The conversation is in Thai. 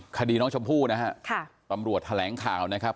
คดีน้องชมพู่นะฮะค่ะตำรวจแถลงข่าวนะครับ